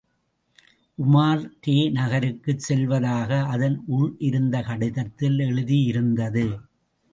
உமார் ரே நகருக்குச் செல்வதாக அதன் உள் இருந்த கடிதத்தில் எழுதியிருந்தது.